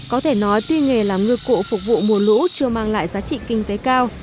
có thể nói tuy nghề làm ngư cụ phục vụ mùa lũ chưa mang lại giá trị kinh tế cao